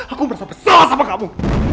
aku merasa bersalah sama kamu